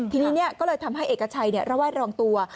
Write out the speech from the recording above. ทีนี้ก็เลยทำให้เอกชัยระวาดรองตัว